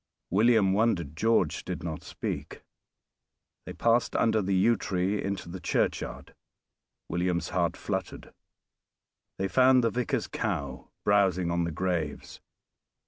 William wondered George did not speak. They passed under the yewtree into the churchyard. William's heart fluttered. They found the vicar's cow browsing on the graves.